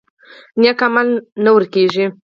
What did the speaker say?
نیک عمل نه ورک کیږي